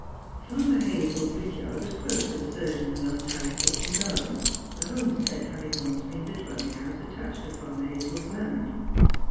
Farmer Hazel's rick yaixl was close to the surgeon's untidy kitchen garden, the Homestead having once been the dwelling house attached to Farmer Hazel's land.